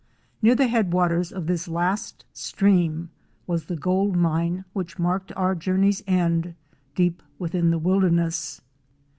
Near the head waters of this last stream was the gold mine which marked our journey's end, deep within the wilderness.